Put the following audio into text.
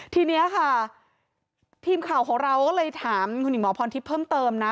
ทีนี้ค่ะทีมข่าวของเราก็เลยถามคุณหญิงหมอพรทิพย์เพิ่มเติมนะ